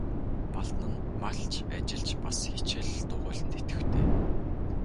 Балдан нь малч, ажилч, бас хичээл дугуйланд идэвхтэй.